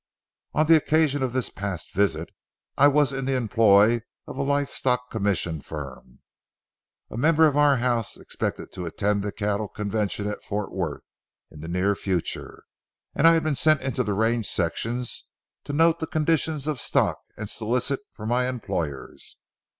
On the occasion of this past visit, I was in the employ of a live stock commission firm. A member of our house expected to attend the cattle convention at Forth Worth in the near future, and I had been sent into the range sections to note the conditions of stock and solicit for my employers.